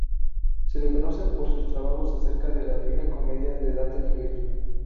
Se le conoce por sus trabajos acerca de La Divina Comedia de Dante Alighieri.